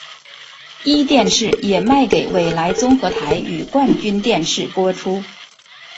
壹电视也卖给纬来综合台与冠军电视播出。